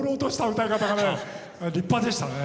歌い方が立派でしたね。